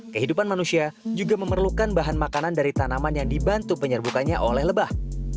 kehidupan manusia juga memerlukan bahan makanan dari tanaman yang dibantu penyerbukannya oleh lebah